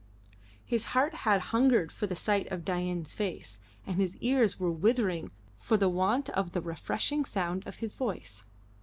His heart had hungered for the sight of Dain's face, and his ears were withering for the want of the refreshing sound of his voice.